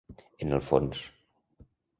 En el fons.